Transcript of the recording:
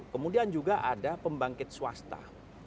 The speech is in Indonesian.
kemudian juga ada pembangkit swasta